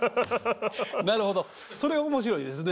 なるほどそれ面白いですね。